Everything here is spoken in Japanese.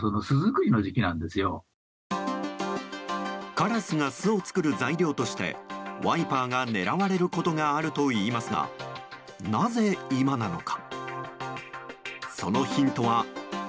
カラスが巣を作る材料としてワイパーが狙われることがあるといいますがなぜ今なのか。